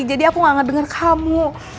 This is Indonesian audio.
jadi aku gak denger kamu